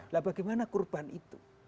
lah bagaimana kurban itu